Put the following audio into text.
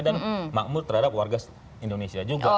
dan makmur terhadap warga indonesia juga